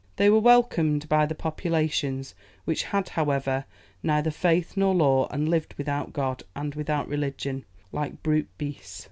They were welcomed by the populations, which had, however, "neither faith, nor law, and lived without God, and without religion, like brute beasts."